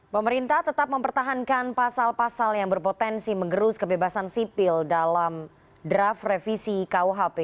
pemerintah tetap mempertahankan pasal pasal yang berpotensi mengerus kebebasan sipil dalam draft revisi kuhp